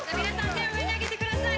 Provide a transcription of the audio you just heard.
手を上にあげてください